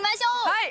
はい！